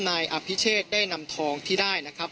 นายอภิเชษได้นำทองที่ได้นะครับ